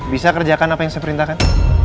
bisa kerjakan apa yang saya perintahkan